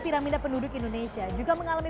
piramida penduduk indonesia juga mengalami